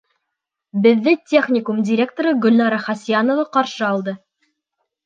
Беҙҙе техникум директоры Гөлнара Хасьянова ҡаршы алды.